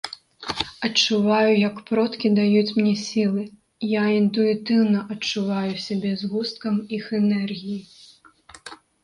Адчуваю як продкі даюць мне сілы, я інтуітыўна адчуваю сябе згусткам іх энергіі.